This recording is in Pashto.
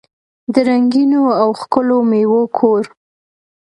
د رنګینو او ښکلو میوو کور.